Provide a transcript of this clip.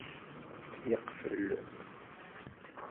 Yeqfel.